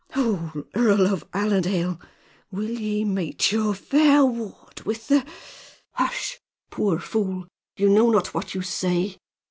Ho! Earl of Allerdale, will ye mate your fair ward with the " "Hush! Poor fool! You know not what you say."